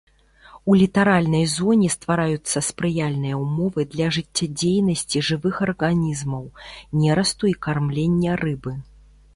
У літаральнай зоне ствараюцца спрыяльныя ўмовы для жыццядзейнасці жывых арганізмаў, нерасту і кармлення рыбы.